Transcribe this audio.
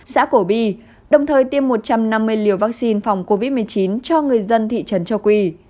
xã cổ bi đồng thời tiêm một trăm năm mươi liều vaccine phòng covid một mươi chín cho người dân thị trấn châu quỳ